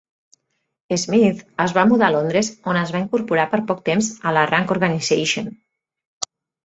Smith es va mudar a Londres, on es va incorporar per poc temps a la Rank Organization.